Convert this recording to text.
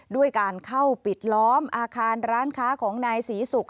ด้วยการเข้าปิดล้อมอาคารร้านค้าของนายศรีศุกร์